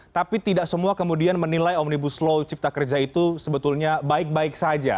tapi tidak semua kemudian menilai omnibus law cipta kerja itu sebetulnya baik baik saja